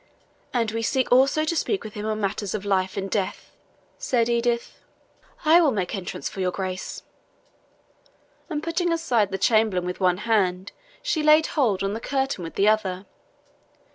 "And we seek also to speak with him on matters of life and death," said Edith. "I will make entrance for your Grace." And putting aside the chamberlain with one hand, she laid hold on the curtain with the other.